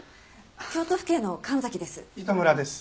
京都府警の神崎です。